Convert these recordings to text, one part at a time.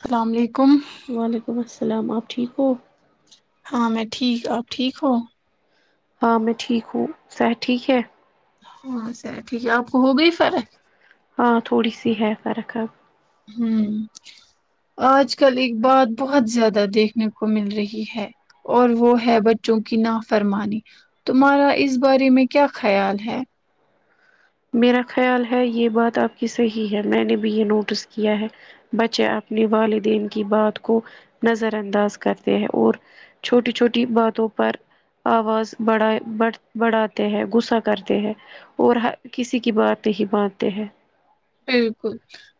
السلام علیکم وعلیکم السلام آپ ٹھیک ہو ہاں میں ٹھیک آپ ٹھیک ہووں ہاں میں ٹھیک ہوں سحت ٹھیک ہے ہاں سحت ٹھیک ہے آپ کو ہوگئی فرق ہاں تھوڑی سی ہے فرق اب ہمم آج کل ایک بات بہت زیادہ دیکھنے کو مل رہی ہے اور وہ ہے بچوں کی نا فرمانی تمہارا اس بارے میں کیا خیال ہے میرا خیال ہے یہ بات آپ کی صحیح ہے میں نے بھی یہ نوٹس کیا ہے بچے اپنے والدین کی بات کو نظر انداز کرتے ہیں اور چھوٹی چھوٹی باتوں پر آواز بڑ بڑ بڈھاتے ہیں غصہ کرتے ہیں اور ہر کسی کی بات نہیں مانتے ہیں بالکل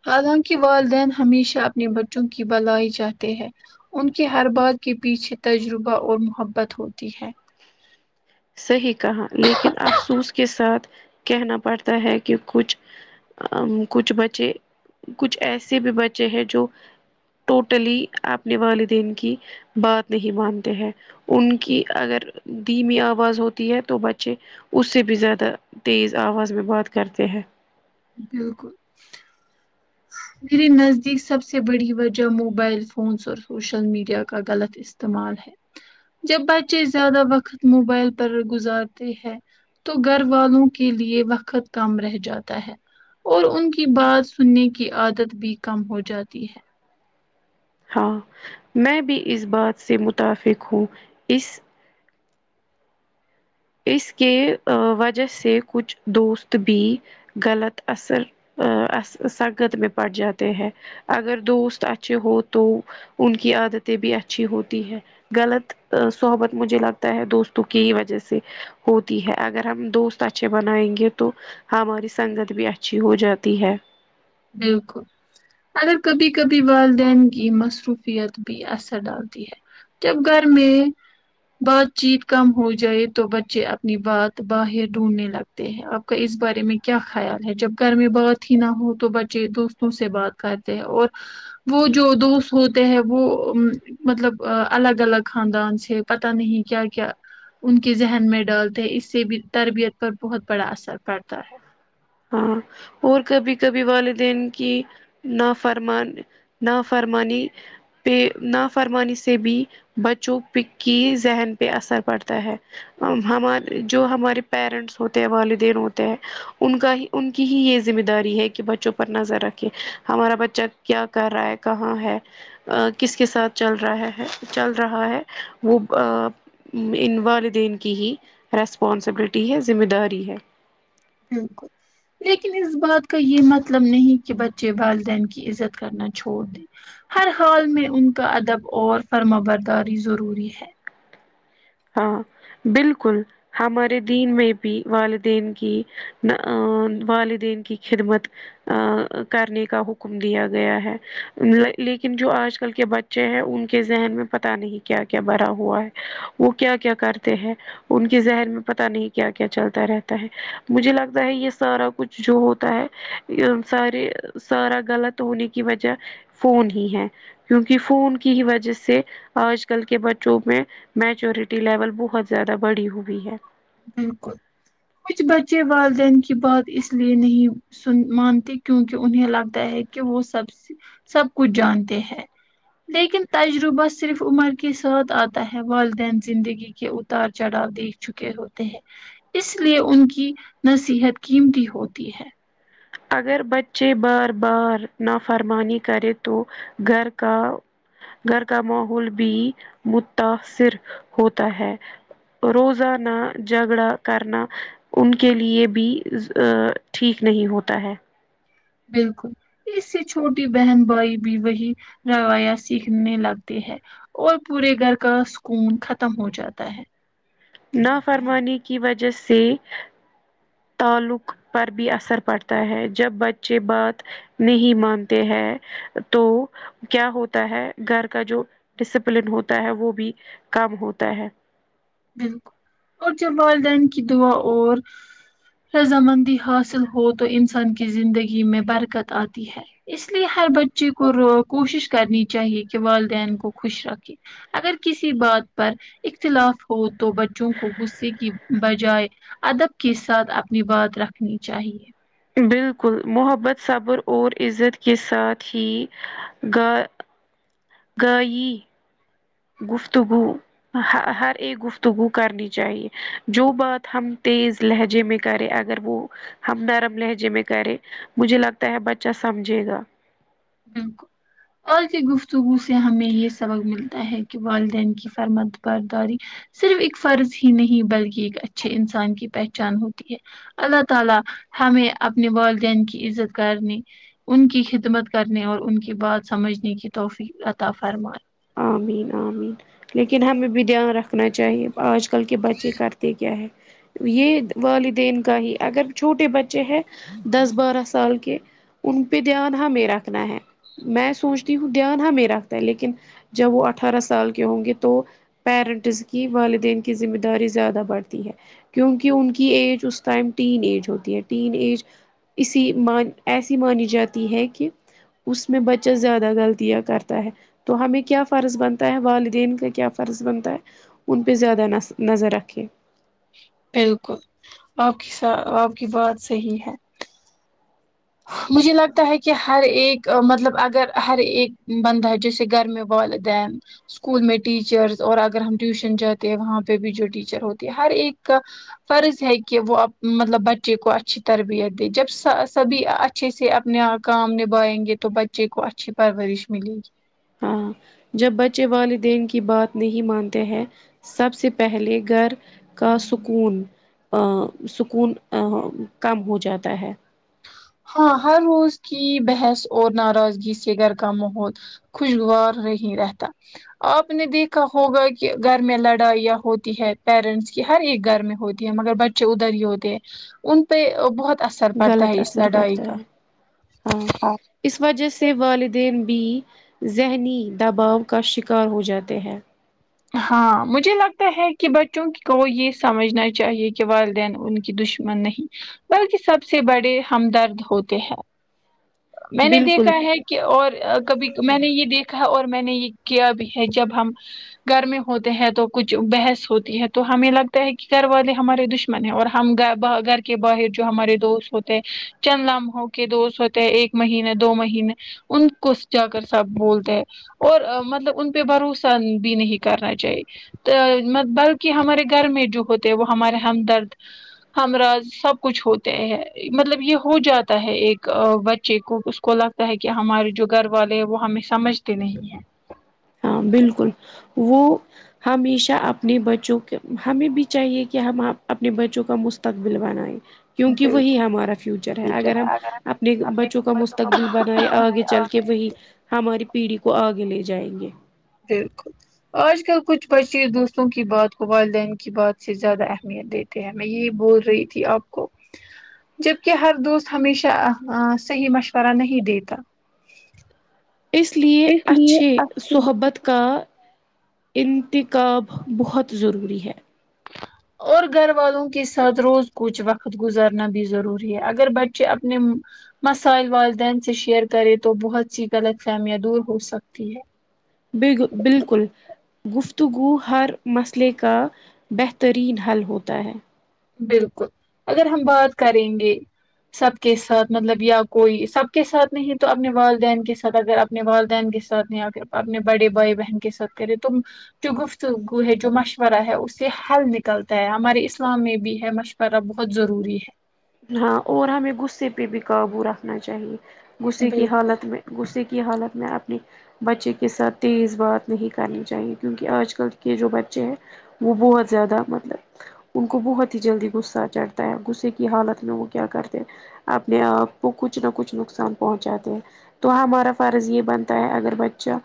حالانکہ والدین ہمیشہ اپنے بچوں کی بھلائی چاہتے ہیں ان کے ہر بات کے پیچھے تجربہ اور محبت ہوتی ہے صحیح کہا لیکن افسوس کے ساتھ کہنا پڑتا ہے کہ کچھ ام کچھ بچے کچھ ایسے بھی بچے ہیں جو ٹوٹلی آپنے والدین کی بات نہیں مانتے ہیں ان کی اگر دھیمی آواز ہوتی ہے تو بچے اس سے بھی زیادہ تیز آواز میں بات کرتے ہیں بالکل میرے نزدیک سب سے بڑی وجہ موبائل فونس اور سوشل میڈیا کا غلط استعمال ہے جب بچے زیادہ وقت موبائل پر گزارتے ہیں تو گھر والوں کے لیے وقت کم رہ جاتا ہے اور ان کی بات سننے کی عادت بھی کم ہو جاتی ہے ہاں میں بھی اس بات سے متافق ہوں اس اس کے وجہ سے کچھ دوست بھی غلط اثر سنگت میں پڑ جاتے ہیں اگر دوست اچھے ہو تو ان کی عادتیں بھی اچھی ہوتی ہے غلط صحبت مجھے لگتا ہے دوستوں کی ہی وجہ سے ہوتی ہے اگر ہم دوست اچھے بنائیں گے تو ہماری سنگت بھی اچھی ہو جاتی ہے بالکل اگر کبھی کبھی والدین کی مصروفیت بھی اثر ڈالتی ہے جب گھر میں بات چیت کم ہو جائے تو بچے اپنی بات باہر ڈھونڈنے لگتے ہیں تے ہے آپ کا اس بارے میں کیا خیال ہے جب گھر میں بات ہی نہ ہو تو بچے کہ دوستوں سے بات کرتے ہیں اور وہ جو دوست ہوتے ہیں وہ مطلب الگ الگ خاندان سے پتہ نہیں کیا کیا ان کے ذہن میں ڈالتے ہیں اس سے بھی تربیت پر بہت بڑا اثر پڑتا ہے ہاں اور کبھی کبھی والدین کی نا فرمان نافرمانی پہ نافرمانی سے بھی بچوں پے کی ذہن پہ اثر پڑتا ہے ہمار جو ہمارے پیرنٹس ہوتے ہیں والدین ہوتے ہیں ان کا ہی ان کی ہی یہ ذمہ داری ہے کہ بچوں پر نظر رکھے ہمارا بچہ کیا کر رہا ہے کہاں ہے کس کے ساتھ چل رہا ہے چل رہا ہے وہ آں ان والدین کی ہی ریسپانسبلٹی ہے ذمہ داری ہے ہوں لیکن اس بات کا یہ مطلب نہیں کہ بچے والدین کی عزت کرنا چھوڑ دیں ہر حال میں ان کا ادب اور فرما برداری ضروری ہے ہاں بالکل ہمارے دین میں بھی والدین کی والدین کی خدمت آں کرنے کا حکم دیا گیا ہے لیکن جو آج کل کے بچ بچے ہے ان کے ذہن میں پتہ نہیں کیا کیا بھرا ہوا ہے وہ کیا کیا کرتے ہیں ان کے ذہن میں پتہ نہیں کیا کیا چلتا رہتا ہے مجھے لگتا ہے یہ سارا کچھ جو ہوتا ہے سارے سارا غلط ہونے کی وجہ فون ہی ہے کیونکہ فون کی ہی وجہ سے آج کل کے بچوں میں میچورٹی لیول بہت زیادہ بڑھی ہوئی ہے بالکل کچھ بچے والدین کی بات اس لیے نہیں سن مانتی کیونکہ انہیں لگتا ہے کہ وہ سب سب کچھ جانتے ہیں لیکن تجربہ صرف عمر کے ساتھ آتا ہے والدین زندگی کے اتار چڑھاؤ دیکھ چکے ہوتے اس لیے ان کی نصیحت قیمتی ہوتی ہے اگر بچے بار بار نافرمانی کرے تو گھر کا گھر کا ماحول بھی متاثر ہوتا ہے روزانہ جھگڑا کرنا ان کے لیے بھی ٹھیک نہیں ہوتا ہے بالکل اس سے چھوٹی بہن بھائی بھی وہی رویا سیکھنے لگتے ہیں اور پورے گھر کا سکون ختم ہو جاتا ہے نافرمانی کی وجہ سے تعلق پر بھی اثر پڑتا ہے جب بچے بات نہیں مانتے ہیں تو کیا ہوتا ہے گھر کا جو ڈسپلن ہوتا ہے وہ بھی کم ہوتا ہے بالکل اور جب والدین کی دعا اور رضامندی حاصل ہو تو انسان کی زندگی میں برکت آتی ہے اس لیے ہر بچے کو رو کوشش کرنی چاہیے کہ والدین کو خوش رکھے اگر کسی بات پر اختلاف ہو تو بچوں کو غصے کی بجائے ادب کے ساتھ اپنی بات رکھنی چاہیے بالکل محبت صبر اور عزت کے ساتھ ہی گا گئی گفتگو حا ہر ایک گفتگو کرنی چاہیے جو بات ہم تیز لہجے میں کرے اگر وہ ہم نرم لہجے میں کرے مجھے لگتا ہے بچہ سمجھے گا بالکل اور کی گفتگو سے ہمیں یہ سبق ملتا ہے کہ والدین کی فرما برداری صرف ایک فرض ہی نہیں بلکہ ایک اچھے انسان کی پہچان ہوتی ہے اللہ تعالی ہمیں اپنے والدین کی عزت کرنی ان کی خدمت کرنے اور ان کی بات سمجھنے کی توفیق عطا فرماے آمین آمین لیکن ہمیں بھی دھیان رکھنا چاہیے آج کل کے بچے کرتے تے کیا ہے یہ والدین کا ہی اگر چھوٹے بچے ہیں دس بارہ سال کے ان پہ دھیان ہمیں رکھنا ہے میں سوچتی ہوں دھیان ہمیں رکھتا ہے لیکن جب وہ اٹھارہ سال کے ہوں گے تو پیرنٹس کی والدین کی ذمہ داری زیادہ بڑھتی ہے کیونکہ ان کی ایج اس ٹائم ٹین ایج ہوتی ہے ٹین ایج اسی مان ایسی مانی جاتی ہے کہ اس میں بچہ زیادہ غلطیاں کرتا ہے تو ہم ایک کیا فرض بنتا ہے والدین کا کیا فرض بنتا ہے ان پہ زیادہ نز نظر رکھے بالکل آپ کی س آپ کی بات صحیح ہے مجھے لگتا ہے کہ ہر ایک مطلب اگر ہر ایک بندہ جیسے گھر میں والدین اسکول میں ٹیچرس اور اگر ہم ٹیوشن جاتے ہیں وہاں پہ بھی جو ٹیچر ہوتی ہے ہر ایک کا فرض ہے کہ وہ اب مطلب بچے کو اچھی تربیت دے جب کبھی اچھے سے اپنے ا کام نبھائیں گے تو بچے کو اچھی پرورش ملے گی ہاں جب بچے والدین کی بات نہیں مانتے ہیں سب سے پہلے گھر کا سکون ا سکون ا کم ہو جاتا ہے ہاں ہاں روز کی بحث اور ناراضگی سے گھر کا ماحول خوشگوار رہیں رہتا آپ نے دیکھا ہوگا کہ گر میں لڑائیاں ہوتی ہے پیرنٹس کی ہر ایک گر میں ہوتی مگر بچے ادھر ہی ہوتے ان پہ بہت اثر پڑتا غلط ہے اس اثر لڑائی پڑتا کا ہے ہاں اس وجہ سے والدین بھی ذہنی دباؤ کا شکار ہو جاتے ہیں ہاں مجھے لگتا ہے کہ بچوں کو یہ سمجھنا چاہیے کہ والدین ان دشمن نہیں بلکہ سب سے بڑے ہمدرد ہوتے ہیں میں نے بالکل دیکھا ہے کہ اور کبھی میں نے یہ دیکھا ہے اور میں نے یہ کیا بھی ہے جب ہم گھر میں ہوتے ہیں تو کچھ بحث ہوتی ہے تو ہمیں لگتا ہے کہ گھر والے ہمارے دش میں نے اور ہم گھر کے باہر جو ہمارے دوست ہوتے چند لم ہو کہ دوست ہوتے ایک مہنے دو مہینے ان کو جا کر سب بولتے ہیں اور مطلب ان پہ بھروسہ بھی نہیں کرنا چاہیے بلکہ ہمارے گھر میں جو ہوتے ہیں وہ ہمارے ہمدرد ہمراض سب کچھ ہوتے ہے مطلب یہ ہو جاتا ہے ایک بچے کو کو لگتا ہے کہ ہمارے جو گھر والے ہیں وہ ہمیں سمجھتے نہیں ہے ہاں بالکل وہ ہمیشہ اپنے بچوں کے ہمیں بھی چاہیے کہ ہم اپنے بچوں کا مس تکبل بناے کیونکہ بالکل وہی ہمارا فیوچر ہے اگر ہم اپنے بچوں کا مستقبل بنائے آگے پڑھائی چل کہ وہی ہماری پیڑھی کو آگے لے جائیں گے بالکل آج کل کچھ بچے دوستوں کی بات کو والدین کی بات سے زیادہ اہمیت دیتے میں یہی بول رہی تھی آپ کو جبکہ ہر دوست ہمیشہ صحیح مشورہ نہیں دیتا اس لیے اچھے صحبت کا انتخاب بہت ضروری ہے اور گھر والوں کے ساتھ روز کچھ وقت گزارنا بھی ضروری ہے اگر بچے اپنے مسائل والدین سے شیئر کرے تو بہت سی غلط فہمیاں دور ہو سکتی ہے بلکل بالکل گفتگو ہر مسئلے کا بہترین حل ہوتا ہے بالکل اگر ہم بات کریں گے سب کے ساتھ مطلب یا کوئی سب کے ساتھ نہیں تو اپنے والدین کے ساتھ اگر اپنے والدین کے ساتھ نہی پھر اپنے بڑے بھائی بہن کے ساتھ کرے تم جو گفتگو ہے جو مشورہ ہے اس سے حل نکلتا ہے ہمارے اسلام میں بھی بھی ہے مشورہ بہت ضروری ہے ہاں اور ہمیں غصے پہ بھی قابو رکھنا چاہیے ہے غصے کی بالکل حالت میں غصے کی حالت میں اپنی بچے کے ساتھ تیز بات نہیں کرنی چاہیے کیونکہ آج کل کے جو بچے ہیں وہ بہت زیادہ مطلب ان کو بہت ہی جلدی غصہ چڑھتا ہےغصےکی حالت میں وہ کیا کرتے اپنے آپ کو کچھ نہ کچھ نقصان پہنچاتے تو ہمارا فرض یہ بنتا ہے اگر بچہ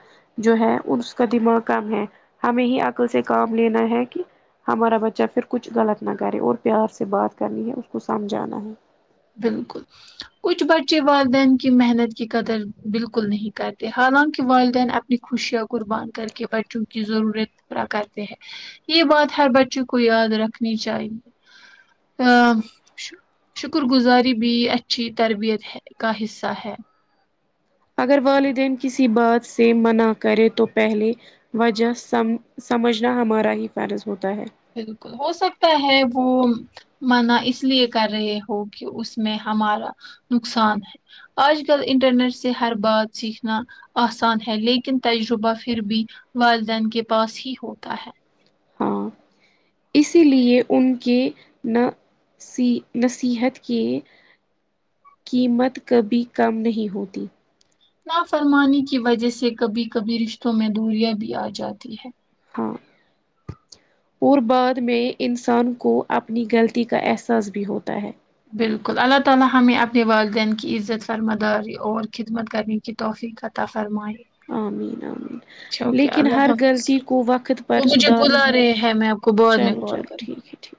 جو ہے اس کا دماغ کم ہے ہمیں ہی عقل سے کام لینا ہے کہ ہمارا بچہ پھر کچھ غلط نہ کرے اور پیار سے بات کرنی ہے اس کو سمجھانا ہے بالکل کچھ بچے والدین کی محنت کی قدر بالکل نہیں کرتے حالانکہ والدین اپ اپنی خوشیاں قربان کر کے بچوں کی ضرورت پورا کرتے ہیں یہ بات ہر بچے کو یاد رکھنی چاہیے آ شکرگزاری بھی اچھی تربیت ہے کا حصہ ہے اگر والدین کسی بات سے منع کرے تو پہلے وجہ سم سمجھنا ہمارا ہی فرض ہوتا ہے بالکل ہو سکتا ہے وہ منع اس لیے کر رہے ہوکی اس میں ہمارا نقصان ہے آج کل انٹرنیٹ سے ہر بات سیکھنا آسان ہے لیکن تجربہ پھر بھی والدین کے پاس ہی ہوتا ہے ہاں اسی لیے ان کے نہ سی نصیحت کے قیمت کبھی کم نہیں ہوتی نا فرمانی کی وجہ سے کبھی کبھی رشتوں میں دوریاں بھی آ جاتی ہے ہاں اور بعد میں انسان کو اپنی غلطی کا احساس بھی ہوتا ہے بالکل اللہ تعا لی ہمیں اپنے والدین کی عزت فرما داری اور خدمت کرنے کی توفیق عطا فرمایہ آمین آمین اچھا اوکے لیکن اللہ ہر حافظ غلطی کو وقت وہ پر مجھے سدھارنا بلا رہے ہیں میں بعد میں چلو کال چلو کر ٹھیک یں ہے ٹھیک